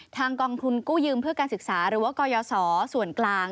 กองทุนกู้ยืมเพื่อการศึกษาหรือว่ากยศส่วนกลาง